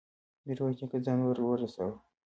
ميرويس نيکه ځان ور ورساوه.